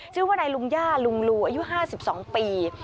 ชื่อว่านายลุงย่าลุงลูอายุ๕๒ปี